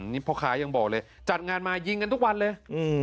นี่พ่อค้ายังบอกเลยจัดงานมายิงกันทุกวันเลย